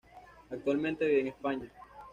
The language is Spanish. Actualmente vive en España.